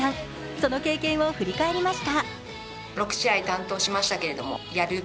その経験を振り返りました。